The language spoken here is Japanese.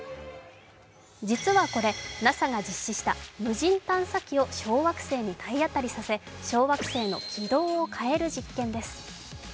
実はこれ、ＮＡＳＡが実施した無人探査機を小惑星に体当たりさせ小惑星の軌道を変える実験です。